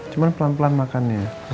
cuma pelan pelan makannya